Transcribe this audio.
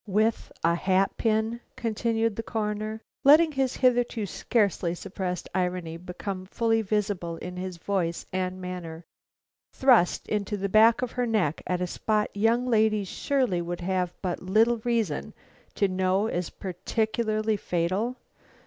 "With a hat pin," continued the Coroner, letting his hitherto scarcely suppressed irony become fully visible in voice and manner, "thrust into the back of her neck at a spot young ladies surely would have but little reason to know is peculiarly fatal!